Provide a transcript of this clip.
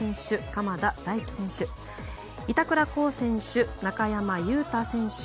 鎌田大地選手板倉滉選手中山雄太選手